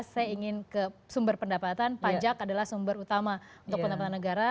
saya ingin ke sumber pendapatan pajak adalah sumber utama untuk pendapatan negara